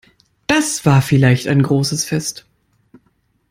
Das war vielleicht ein großes Fest.